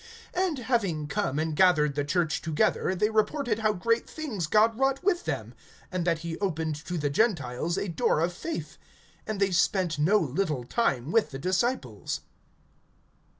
(27)And having come, and gathered the church together, they reported how great things God wrought with them, and that he opened to the Gentiles a door of faith. (28)And they spent no little time with the disciples.